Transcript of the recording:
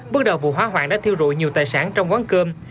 bước đầu vụ hỏa hoạn đã thiêu rụi nhiều tài sản trong quán cơm